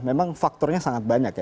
memang faktornya sangat banyak